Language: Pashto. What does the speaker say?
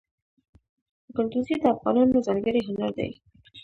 ګلدوزي د افغانانو ځانګړی هنر دی.